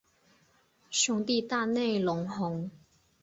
兄弟大内隆弘。